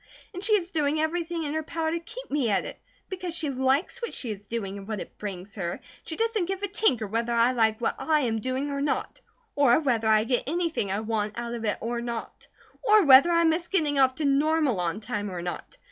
And she is doing everything in her power to keep me at it, because she likes what she is doing and what it brings her, and she doesn't give a tinker whether I like what I am doing or not; or whether I get anything I want out of it or not; or whether I miss getting off to Normal on time or not.